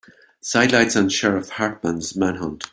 Sidelights on Sheriff Hartman's manhunt.